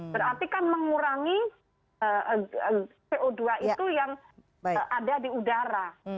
berarti kan mengurangi co dua itu yang ada di udara